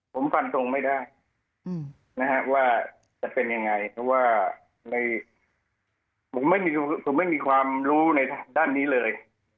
ผมฟันสงไม่ได้ว่าจะเป็นยังไงผมไม่มีความรู้ในด้านนี้เลย